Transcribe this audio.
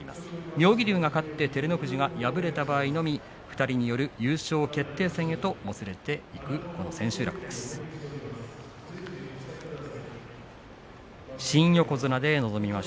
妙義龍が勝って照ノ富士が敗れた場合２人による優勝決定戦へともつれていきます。